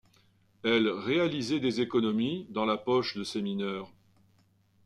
Elle réalisait des économies dans la poche de ses mineurs.